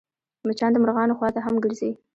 مچان د مرغانو خوا ته هم ګرځي